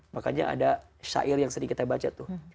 makanya ada syair yang sering kita baca tuh